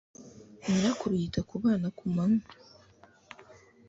nyirakuru yita ku bana ku manywa